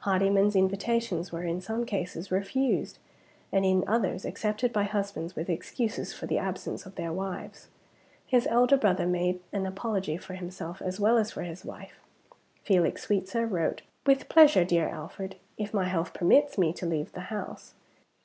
Hardyman's invitations were in some cases refused; and in others accepted by husbands with excuses for the absence of their wives. His elder brother made an apology for himself as well as for his wife. Felix Sweetsir wrote, "With pleasure, dear Alfred, if my health permits me to leave the house."